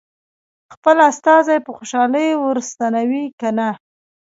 خپل استازی په خوشالۍ ور ستنوي که نه.